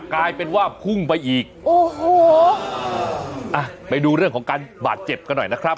กลายเป็นว่าพุ่งไปอีกโอ้โหอ่ะไปดูเรื่องของการบาดเจ็บกันหน่อยนะครับ